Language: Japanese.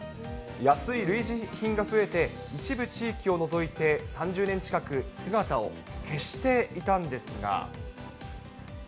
安い類似品が増えて、一部地域を除いて、３０年近く姿を消していたんですが。